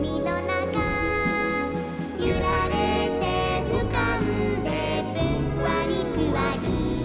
「ゆられてうかんでぷんわりぷわり」